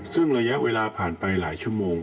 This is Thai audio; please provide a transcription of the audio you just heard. ซึ่งระยะเวลาผ่านไปหลายชั่วโมง